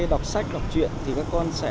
đọc sách đọc truyện thì các con sẽ